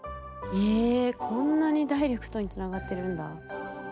こんなにダイレクトにつながってるんだ。